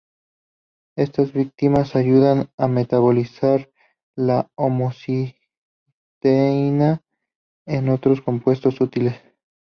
Estas vitaminas ayudan a metabolizar la homocisteína en otros compuestos útiles.